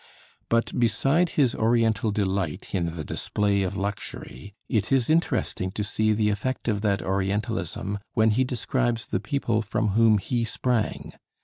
But beside his Oriental delight in the display of luxury, it is interesting to see the effect of that Orientalism when he describes the people from whom he sprang.